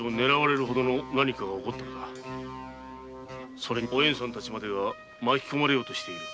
それにおえんさんたちまでが巻きこまれようとしている。